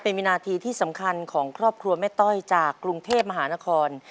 เป็นวินาทีที่สำคัญของครอบครัวแม่ต้อยจากกรุงเทพมหานคร